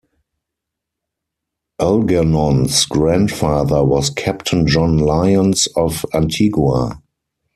Algernon's grandfather was Captain John Lyons of Antigua.